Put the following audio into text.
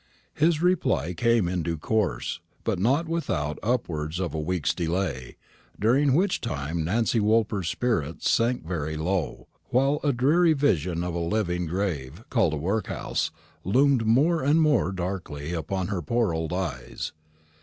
His reply came in due course, but not without upwards of a week's delay; during which time Nancy Woolper's spirits sank very low, while a dreary vision of a living grave called a workhouse loomed more and more darkly upon her poor old eyes.